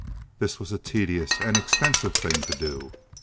This was a tedious and expensive thing to do.